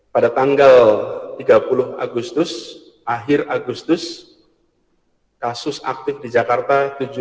pada tanggal tiga puluh agustus akhir agustus kasus aktif di jakarta tujuh sembilan ratus enam puluh